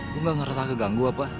gue gak ngerasa keganggu apa